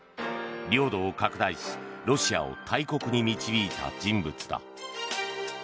領土を拡大し、ロシアを大国に導いた人物だ。